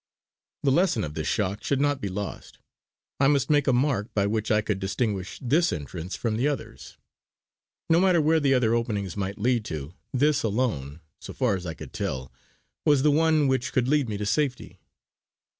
The lesson of this shock should not be lost; I must make a mark by which I could distinguish this entrance from the others. No matter where the other openings might lead to, this alone, so far as I could tell, was the one which could lead me to safety.